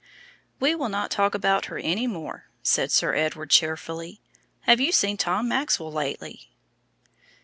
"We will not talk about her any more," said Sir Edward cheerfully. "Have you seen Tom Maxwell lately?"